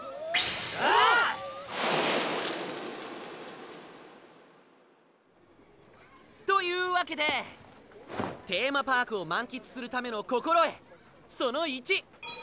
オー！というわけでテーマパークを満喫するための心得その１！